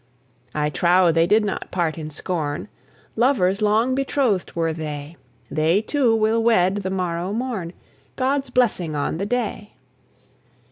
I trow they did not part in scorn: Lovers long betroth'd were they: They too will wed the morrow morn: God's blessing on the day!